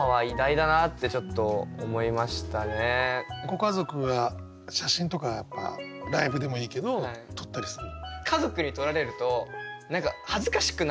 ご家族は写真とかライブでもいいけど撮ったりするの？